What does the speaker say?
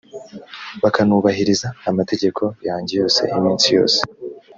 bakanubahiriza amategeko yanjye yose iminsi yose,